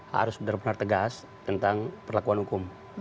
harus benar benar tegas tentang perlakuan hukum